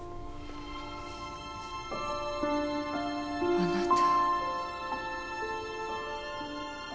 ・あなた。